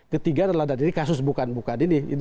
ketiga adalah dan ini kasus bukan bukan ini